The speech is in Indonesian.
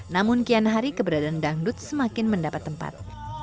namun kian hari keberadaan dangdut semakin mendapat tempat